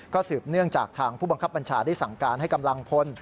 สืบเนื่องจากทางผู้บังคับบัญชาได้สั่งการให้กำลังพล